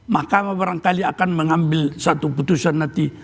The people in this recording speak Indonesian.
mahkamah barangkali akan mengambil satu putusan nanti